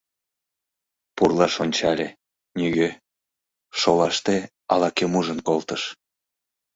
Пурлаш ончале — нигӧ, шолаште ала-кӧм ужын колтыш.